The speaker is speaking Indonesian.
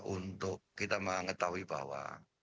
untuk kita mengetahui bahwa